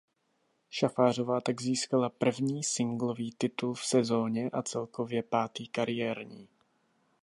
Šafářová tak získala první singlový titul v sezóně a celkově pátý kariérní.